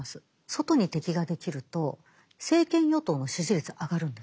外に敵ができると政権与党の支持率が上がるんです。